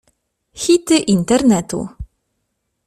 Hity internetu.